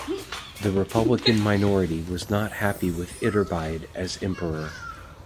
The republican minority was not happy with Iturbide as emperor.